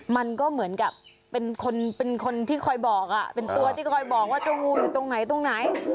มันก็เหมือนกับเป็นคนที่คอยบอกเป็นตัวที่คอยบอกว่าเจ้างูอยู่ตรงไหนตรงไหน